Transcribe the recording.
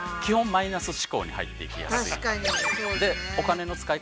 マイナス思考に入っていきやすい。